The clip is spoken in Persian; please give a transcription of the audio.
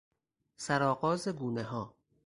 سرآغاز گونهها